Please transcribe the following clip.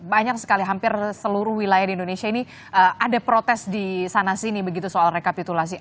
banyak sekali hampir seluruh wilayah di indonesia ini ada protes di sana sini begitu soal rekapitulasi